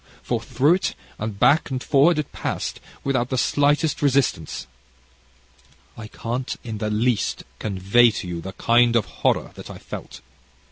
For through it, and back and forward it passed, without the slightest resistance. "I can't, in the least, convey to you the kind of horror that I felt.